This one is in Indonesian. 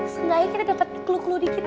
seenggaknya kita dapet clue clue dikit kek